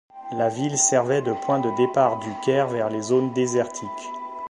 La ville servait de point de départ du Caire vers les zônes désertiques.